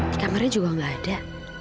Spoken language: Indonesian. di kamarnya juga nggak ada